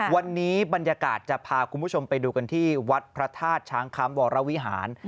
วันนี้บรรยากาศจะพาคุณผู้ชมไปดูกันที่วัดพระธาตุช้างคำวรวิหาร